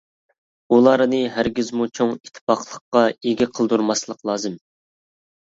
ئۇلارنى ھەرگىزمۇ چوڭ ئىتتىپاقلىققا ئىگە قىلدۇرماسلىق لازىم.